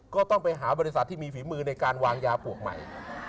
ก็ต้องไปหาบริษัทที่มีฝีมือในการวางยาปวกใหม่